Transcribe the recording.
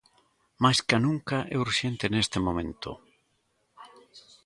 Máis ca nunca é urxente neste momento.